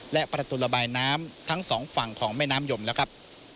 และประตูระบายน้ำทั้งสองฝั่งของแม่น้ำยมแล้วครับ